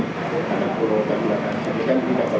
kalau tergulangkan kami akan pindahkan ke mana mana